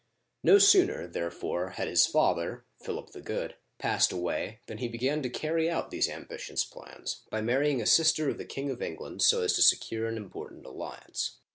No sooner, therefore, had his father (Philip the Good) passed away than he began Digitized by VjOOQIC 2o6 OLD FRANCE to carry out these ambitious plans, by marrying a sister of the King of England so as to secure an important alliance.